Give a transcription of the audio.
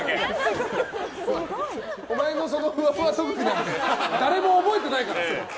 お前のそのふわふわ特技なんて誰も覚えてないから。